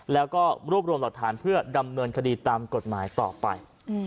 แล้วก็รวบรวมหลักฐานเพื่อดำเนินคดีตามกฎหมายต่อไป